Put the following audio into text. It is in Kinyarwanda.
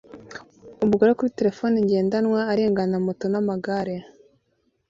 Umugore kuri terefone ngendanwa arengana moto n'amagare